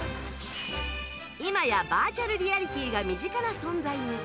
今やバーチャルリアリティーが身近な存在に